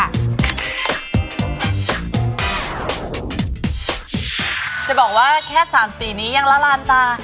จะบอกว่าแค่๓สีนี้ยังละลานตา